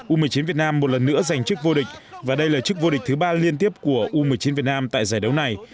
u một mươi chín việt nam một lần nữa giành chức vô địch và đây là chức vô địch thứ ba liên tiếp của u một mươi chín việt nam tại giải đấu này